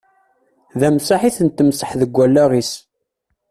D amsaḥ i ten-temsaḥ deg wallaɣ-is.